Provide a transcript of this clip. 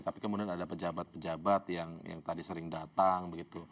tapi kemudian ada pejabat pejabat yang tadi sering datang begitu